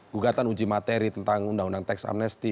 gugatan uji materi tentang undang undang teks amnesti